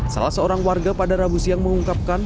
salah seorang warga pada rabu siang mengungkapkan